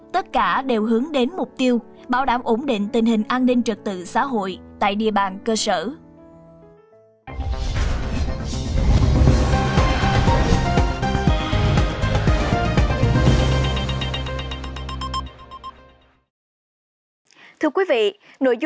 tất cả đều hướng đến mục tiêu bảo đảm ổn định tình hình an ninh trật tự xã hội tại địa bàn cơ sở